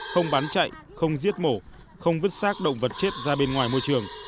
không bán chạy không giết mổ không vứt sát động vật chết ra bên ngoài môi trường